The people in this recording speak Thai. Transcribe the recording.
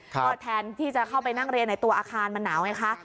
ก็แทนที่จะเข้าไปนั่งเรียนในตัวอาคารมันหนาวไงคะ